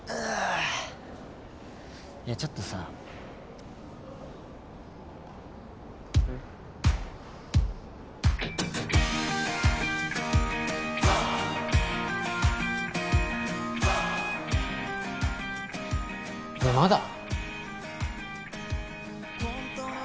いやちょっとさねえまだ？